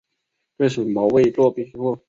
对此毛未作批复。